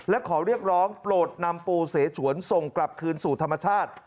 และขอเรียกร้องโปรดนำปูเสฉวนส่งกลับคืนสู่ธรรมชาติ